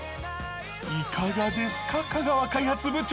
いかがですか、香川開発部長。